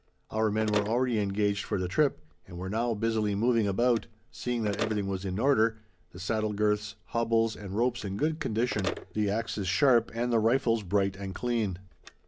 Our men were already engaged for the trip, and were now busily moving about, seeing that everything was in order, the saddle girths, hobbles, and ropes in good condition, the axes sharp, and the rifles bright and clean.